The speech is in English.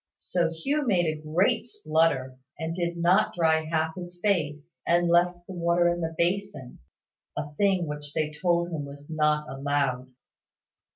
So Hugh made a great splutter, and did not half dry his face, and left the water in the basin; a thing which they told him was not allowed.